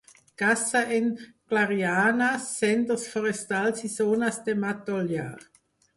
Caça en clarianes, senders forestals i zones de matollar.